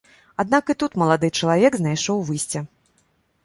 Аднак і тут малады чалавек знайшоў выйсце.